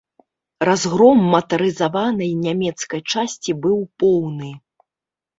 Разгром матарызаванай нямецкай часці быў поўны.